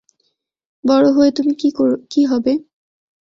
বড় হয়ে তুমি কী হবে?